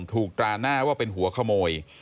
ถูกตราน่าว่าเป็นหัวขโมย